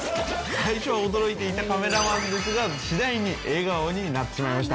最初は驚いていたカメラマンですが次第に笑顔になってしまいました。